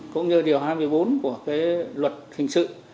cũng như điều hai mươi bốn của luật hình sự